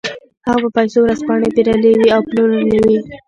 هغه په پیسو ورځپاڼې پېرلې وې او پلورلې وې